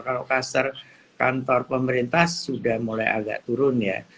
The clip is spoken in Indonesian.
kalau kluster kantor pemerintah sudah mulai agak turun ya